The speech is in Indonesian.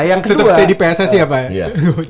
nah yang kedua tetap jadi pssi ya pak